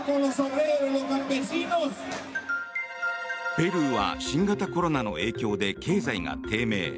ペルーは新型コロナの影響で経済が低迷。